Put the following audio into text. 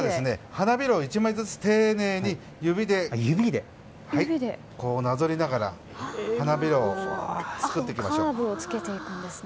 花びらを１枚ずつ丁寧に指でなぞりながら花びらを作っていきましょう。